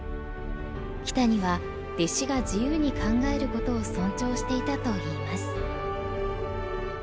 木谷は弟子が自由に考えることを尊重していたといいます。